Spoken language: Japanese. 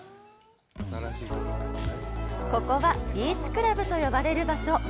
ここは、ビーチクラブと呼ばれる場所。